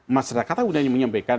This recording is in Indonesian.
masyarakat sudah menyampaikan